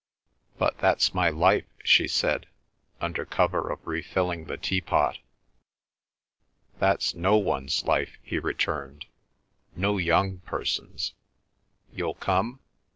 "But that's my life," she said, under cover of refilling the teapot. "That's no one's life," he returned, "no young person's. You'll come?"